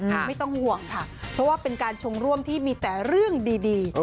ไม่ต้องห่วงค่ะเพราะว่าเป็นการชงร่วมที่มีแต่เรื่องดี